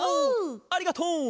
ありがとう！